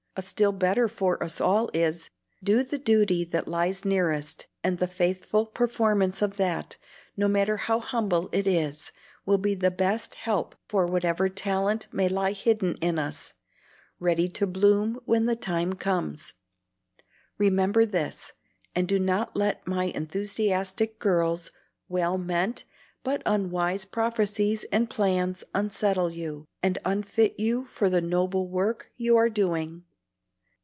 A still better for us all is, 'Do the duty that lies nearest;' and the faithful performance of that, no matter how humble it is, will be the best help for whatever talent may lie hidden in us, ready to bloom when the time comes. Remember this, and do not let my enthusiastic girl's well meant but unwise prophecies and plans unsettle you, and unfit you for the noble work you are doing."